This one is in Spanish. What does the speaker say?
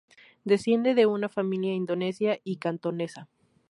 Desciende de una familia indonesia y cantonesa.